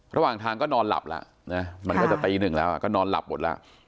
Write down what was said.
ระหว่างทางก็นอนหลับแล้วนะมันก็จะตีหนึ่งแล้วก็นอนหลับหมดแล้ว